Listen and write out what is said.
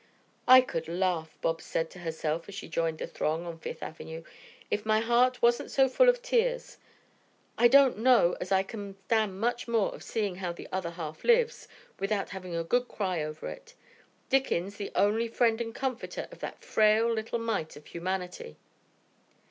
"I could laugh," Bobs said to herself as she joined the throng on Fifth Avenue, "if my heart wasn't so full of tears. I don't know as I can stand much more of seeing how the other half lives without having a good cry over it. Dickens, the only friend and comforter of that frail little mite of humanity!"